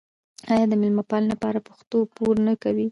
آیا د میلمه پالنې لپاره پښتون پور نه کوي؟